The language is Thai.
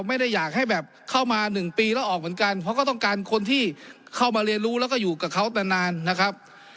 ไม่ได้อยากให้แบบเข้ามาหนึ่งปีแล้วออกเหมือนกันเพราะก็ต้องการคนที่เข้ามาเรียนรู้แล้วก็อยู่กับเขาแต่นานนะครับ